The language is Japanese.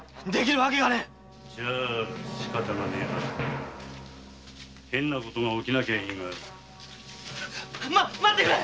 じゃしかたがねえな変なことが起きなきゃいいが。待ってくれ！